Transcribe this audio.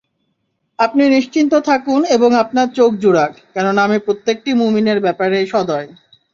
আপনি নিশ্চিন্ত থাকুন এবং আপনার চোখ জুড়াক, কেননা আমি প্রত্যেকটি মুমিনের ব্যাপারেই সদয়।